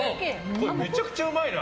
これめちゃくちゃうまいな。